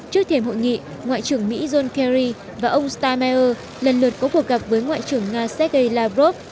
trước thềm hội nghị ngoại trưởng mỹ john kerry và ông stammeier lần lượt có cuộc gặp với ngoại trưởng nga sergei lavrov